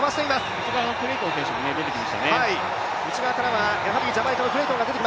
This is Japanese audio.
内側のクレイトン選手も出てきましたね。